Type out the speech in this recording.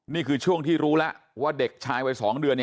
นี่คือช่วงที่รู้แล้วว่าเด็กชายวัย๒เดือน